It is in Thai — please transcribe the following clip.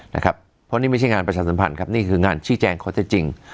เพราะนี่ไม่ใช่งานประชาสัมพันธ์นี่คืองานชื่อแจงความที่จริง